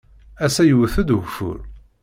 Ass-a yewwet-d ugeffur.